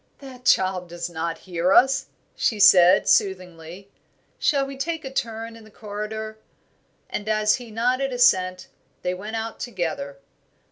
"That child does not hear us," she said, soothingly. "Shall we take a turn in the corridor?" And as he nodded assent, they went out together.